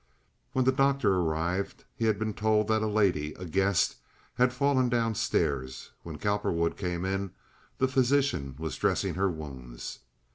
When the doctor arrived he had been told that a lady, a guest, had fallen down stairs; when Cowperwood came in the physician was dressing her wounds.